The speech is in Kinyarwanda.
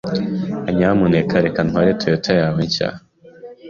Nyamuneka reka ntware Toyota yawe nshya.